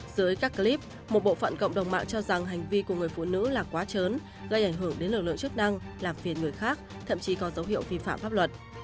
dưới các clip một bộ phận cộng đồng mạng cho rằng hành vi của người phụ nữ là quá chớn gây ảnh hưởng đến lực lượng chức năng làm phiền người khác thậm chí có dấu hiệu vi phạm pháp luật